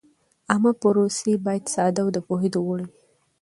عامه پروسې باید ساده او د پوهېدو وړ وي.